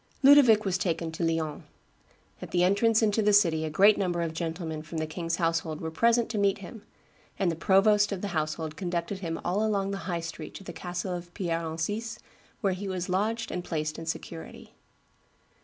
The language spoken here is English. Ludovic was taken to Lyons. "At the entrance into the city a great number of gentlemen from the king's household were present to meet him; and the provost of the household conducted him all along the high street to the castle of Pierre Encise, where he was lodged and placed in security."